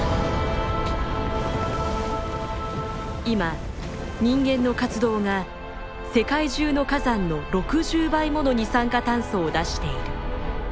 今人間の活動が世界中の火山の６０倍もの二酸化炭素を出している。